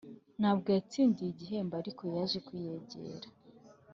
ntabwo yatsindiye igihembo, ariko yaje kuyegera.